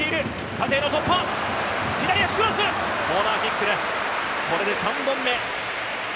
コーナーキックです、これで３本目。